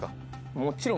もちろん。